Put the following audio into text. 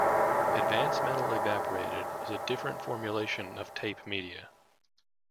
Advance Metal Evaporated is a different formulation of tape media.